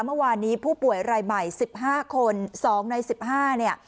เมื่อวานนี้ผู้ป่วยรายใหม่๑๕คน๒ใน๑๕เนี่ย